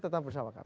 tetap bersama kami